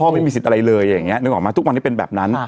ไม่มีสิทธิ์อะไรเลยอย่างนี้นึกออกมาทุกวันนี้เป็นแบบนั้น